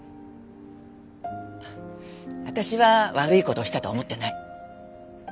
私は悪い事をしたとは思ってない。